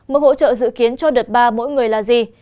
mức hỗ trợ dự kiến cho đợt ba mỗi người là gì